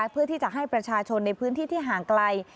เพื่อที่จะให้ประชาชนในพื้นที่ที่ห่างไกล